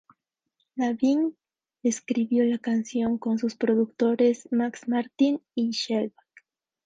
Lavigne escribió la canción con sus productores Max Martin y Shellback.